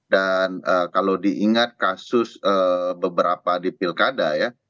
dan kalau diingat kasus beberapa di pilkada ya